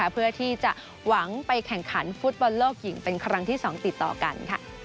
เพื่อที่จะหวังไปแข่งขันฟุตบอลโลกหญิงเป็นครั้งที่๒ติดต่อกัน